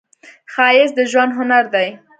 ښایست د ژوند هنر دی